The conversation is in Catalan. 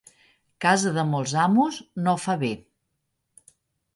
Casa de molts amos no va bé.